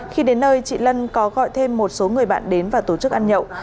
khi đến nơi chị lân có gọi thêm một số người bạn đến và tổ chức ăn nhậu